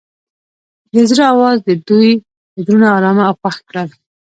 د زړه اواز د دوی زړونه ارامه او خوښ کړل.